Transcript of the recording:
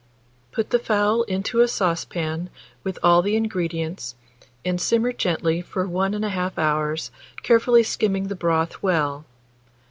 Put the fowl into a saucepan, with all the ingredients, and simmer gently for 1 1/2 hour, carefully skimming the broth well.